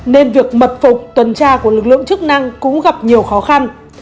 nên việc mật phục tuần tra của lực lượng chức năng cũng gặp nhiều khó khăn